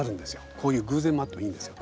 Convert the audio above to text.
こういう偶然もあってもいいんですよ。